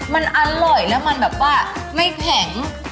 มันอร่อยแล้วมันแบบว่าไม่แข็ง